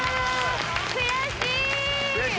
悔しい！